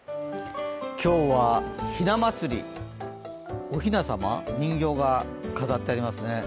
今日はひな祭り、おひな様、人形が飾ってありますね。